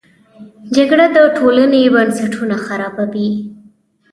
جګړه د ټولنې بنسټونه خرابوي